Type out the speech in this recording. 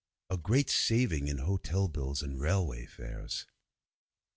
A great saving in hotel bills and railway fares.'